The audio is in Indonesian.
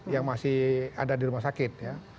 yang masih ada di rumah sakit